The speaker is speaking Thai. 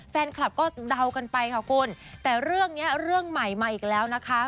แฟนคลับก็เดากันไปค่ะคุณแต่เรื่องเนี้ยเรื่องใหม่มาอีกแล้วนะคะ